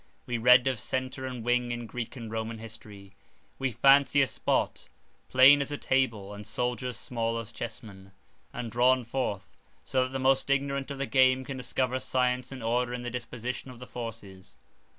We read of centre and wing in Greek and Roman history; we fancy a spot, plain as a table, and soldiers small as chessmen; and drawn forth, so that the most ignorant of the game can discover science and order in the disposition of the forces.